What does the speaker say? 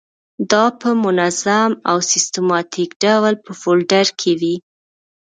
دا په منظم او سیستماتیک ډول په فولډر کې وي.